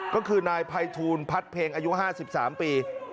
ก็คือนายไพทูลพัดเพ็งอายุห้าสิบสามปี